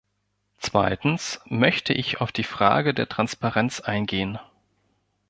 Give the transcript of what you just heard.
Zweitens möchte ich auf die Frage der Transparenz eingehen.